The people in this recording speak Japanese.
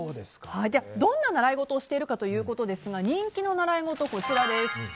どんな習い事をしているかということですが人気の習い事、こちらです。